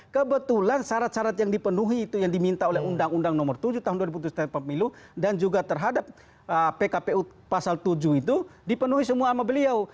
kebetulan syarat syarat yang dipenuhi itu yang diminta oleh undang undang nomor tujuh tahun dua ribu tujuh tentang pemilu dan juga terhadap pkpu pasal tujuh itu dipenuhi semua sama beliau